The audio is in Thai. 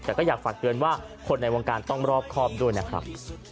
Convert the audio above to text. แต่ก็อยากฝากเตือนว่าคนในวงการต้องรอบครอบด้วยนะครับ